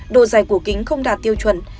độ dài của kính không đạt tiêu chuẩn